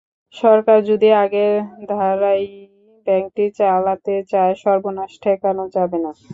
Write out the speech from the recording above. সরকার যদি আগের ধারায়ই ব্যাংকটি চালাতে চায় সর্বনাশ ঠেকানো যাবে না।